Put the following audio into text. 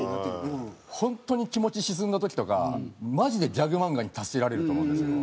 本当に気持ち沈んだ時とかマジでギャグ漫画に助けられると思うんですよ。